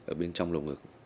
ở bên trong lồng ngực